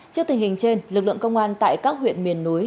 trước tình hình trên lực lượng công an tại các huyện miền núi